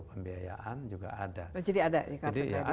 pembiayaan juga ada jadi ada ya